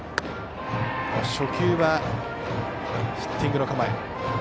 初球はヒッティングの構え。